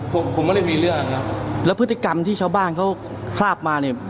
ผมผมไม่ได้มีเรื่องครับแล้วพฤติกรรมที่ชาวบ้านเขาทราบมาเนี่ย